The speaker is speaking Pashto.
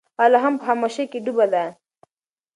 هغه لا هم په خاموشۍ کې ډوبه ده.